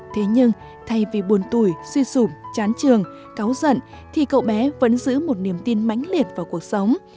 thế nhưng thay vì buồn tuổi suy sủm chán trường cáo giận thì cậu bé vẫn giữ một niềm tin mánh liệt vào cuộc sống